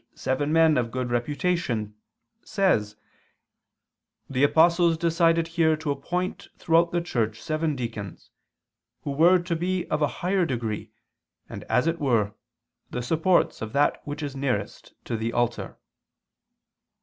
. seven men of good reputation," says: "The apostles decided here to appoint throughout the Church seven deacons, who were to be of a higher degree, and as it were the supports of that which is nearest to the altar."